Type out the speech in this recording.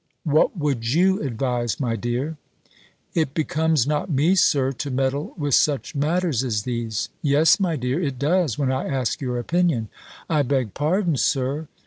What would you advise, my dear?" "It becomes not me, Sir, to meddle with such matters as these." "Yes, my dear, it does, when I ask your opinion." "I beg pardon, Sir.